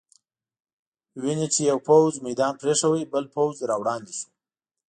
وینې چې یو پوځ میدان پرېښود، بل پوځ را وړاندې شو.